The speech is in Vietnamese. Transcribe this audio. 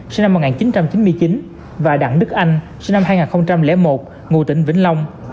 sinh năm một nghìn chín trăm chín mươi chín và đặng đức anh sinh năm hai nghìn một ngụ tỉnh vĩnh long